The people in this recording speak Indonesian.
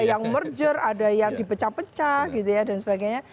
ada yang merger ada yang dipecah pecah gitu ya dan sebagainya